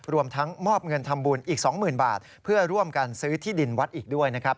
รวมทั้งมอบเงินทำบุญอีก๒๐๐๐บาทเพื่อร่วมกันซื้อที่ดินวัดอีกด้วยนะครับ